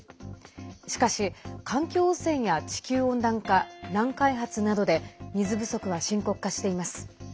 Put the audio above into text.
しかし、環境汚染や地球温暖化乱開発などで水不足は深刻化しています。